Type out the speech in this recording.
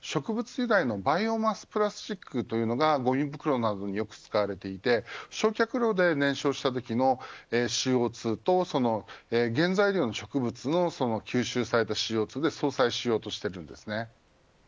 由来のバイオマスプラスチックというものがポリ袋に使われていて焼却炉で燃焼したときのＣＯ２と、その原材料の植物の吸収されたＣＯ２で相殺しようとしています。